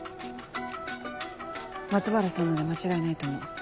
松原さんので間違いないと思う。